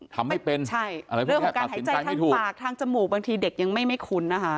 ทำไม่เป็นเรื่องของการหายใจทางปากทางจมูกบางทีเด็กยังไม่คุ้นนะคะ